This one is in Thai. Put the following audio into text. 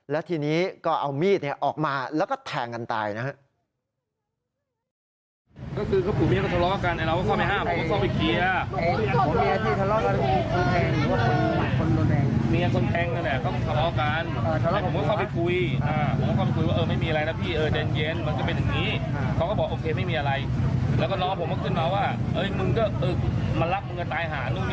และทีนี้ก็เอามีดออกมาแล้วก็แทงกันตายนะฮะ